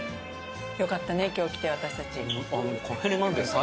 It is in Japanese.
よかったね今日来て私たち。